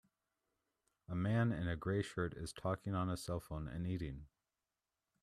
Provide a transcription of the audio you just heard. A man in a gray shirt is talking on a cellphone and eating.